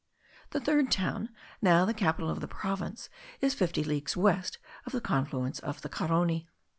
The third town, now the capital of the province, is fifty leagues west of the confluence of the Carony.